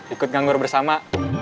ikut nganggur bersama